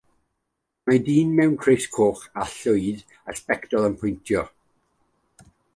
Mae'r dyn mewn crys coch a llwyd a sbectol yn pwyntio.